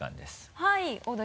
はい。